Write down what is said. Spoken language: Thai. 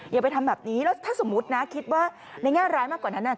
อย่าไปทำแบบนี้แล้วถ้าสมมุตินะคิดว่าในแง่ร้ายมากกว่านั้น